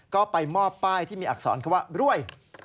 ก็ไปมอบป้ายที่มีอักษรเขาว่ารวย